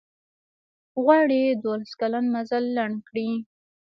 غواړي دولس کلن مزل لنډ کړي.